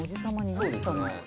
そうですね。